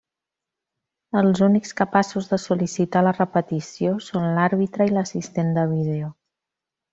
Els únics capaços de sol·licitar la repetició són l'àrbitre i l'assistent de vídeo.